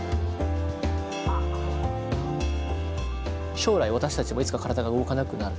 将来私たちもいつか体が動かなくなる。